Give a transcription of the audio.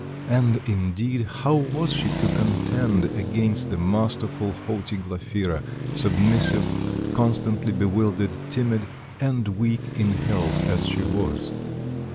And, indeed, how was she to contend against the masterful, haughty Glafira, submissive, constantly bewildered, timid, and weak in health as she was?